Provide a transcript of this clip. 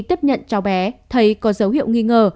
tiếp nhận cháu bé thấy có dấu hiệu nghi ngờ